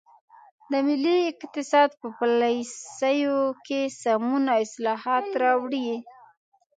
د ملي اقتصاد په پالیسیو کې سمون او اصلاحات راوړي.